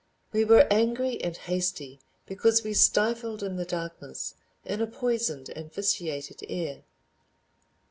We were angry and hasty because we stifled in the darkness, in a poisoned and vitiated air.